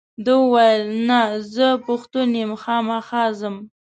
ده وویل نه زه پښتون یم خامخا ځم.